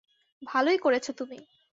ভালোই করেছো তুমি।